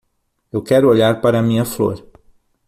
Eu quero olhar para a minha flor.